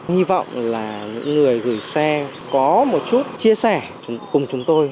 hy vọng là những người gửi xe có một chút chia sẻ cùng chúng tôi